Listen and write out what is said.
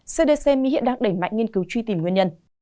cdc hiện đang đẩy mạnh nghiên cứu truy tìm nguyên nhân